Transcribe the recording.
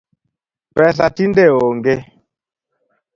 Pesa tinde onge